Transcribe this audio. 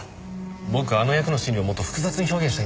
僕はあの役の心理をもっと複雑に表現したいんです。